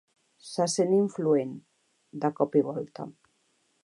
Se sent influent, de cop i volta.